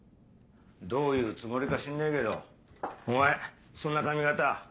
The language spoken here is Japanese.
どういうつもりか知んねえけどお前そんな髪形